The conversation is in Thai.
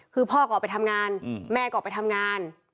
คือพ่อก็ออกไปทำงานแม่ก็ไปทำงาน